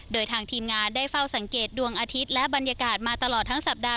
โดยทางทีมงานได้เฝ้าสังเกตดวงอาทิตย์และบรรยากาศมาตลอดทั้งสัปดาห